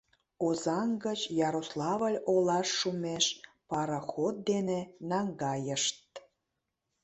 Озаҥ гыч Ярославль олаш шумеш пароход дене наҥгайышт.